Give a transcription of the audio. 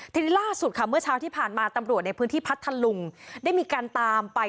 ทีนี้ล่าสุดค่ะเมื่อเช้าที่ผ่านมาตำรวจในพื้นที่พัทธลุงได้มีการตามไป